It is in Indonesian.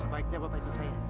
sebaiknya bapak ikut saya